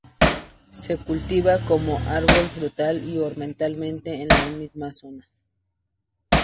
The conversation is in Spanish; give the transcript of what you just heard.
Se cultiva como árbol frutal y ornamental en las mismas zonas.